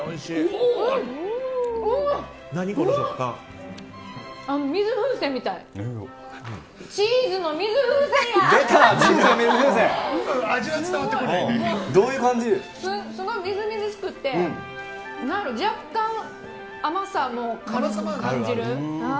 すごいみずみずしくて若干、甘さも感じる。